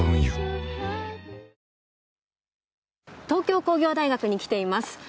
東京工業大学に来ています。